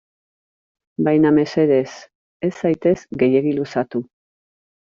Baina mesedez, ez zaitez gehiegi luzatu.